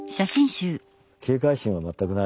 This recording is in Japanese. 警戒心が全くない。